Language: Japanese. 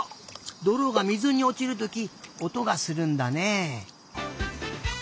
どろが水におちるときおとがするんだね。